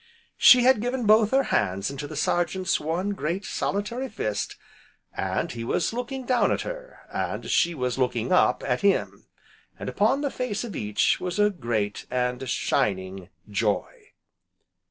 She had given both her hands into the Sergeant's one, great, solitary fist, and he was looking down at her, and she was looking up at him, and upon the face of each, was a great and shining joy.